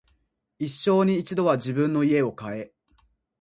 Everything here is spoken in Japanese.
一生に一度は自分の家を買え